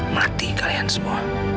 mati kalian semua